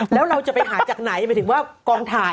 แล้วเราจะไปหาจากไหนหมายถึงว่ากองถ่าย